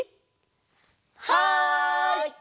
はい！